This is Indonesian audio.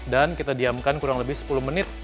dan kita diamkan kurang lebih sepuluh menit